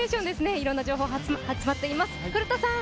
いろんな情報集まっています。